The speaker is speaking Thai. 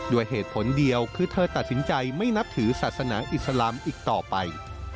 ด้วยเหตุผลเดียวคือเธอตัดสินใจไม่นับถือศาสนาอิสลามอีกต่อไป